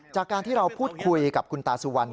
จากการที่เราพูดคุยกับคุณตาสุวรรณ